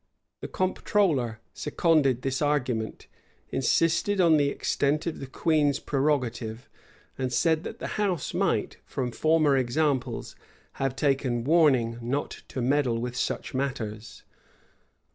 [] The comptroller seconded this argument; insisted on the extent of the queen's prerogative; and said that the house might, from former examples, have taken warning not to meddle with such matters.